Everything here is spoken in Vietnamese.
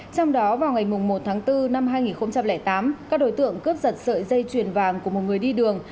trong đó vào ngày một tháng bốn năm hai nghìn tám các đối tượng cướp giật sợi dây chuyền vàng của một người đi đường